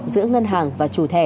giữa ngân hàng và chủ thẻ